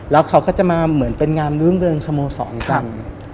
แล้วเขาก็จะมาเหมือนเป็นงานรุ่งเรืองสโมสรกัน